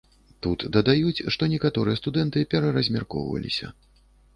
Тут дадаюць, што некаторыя студэнты пераразмяркоўваліся.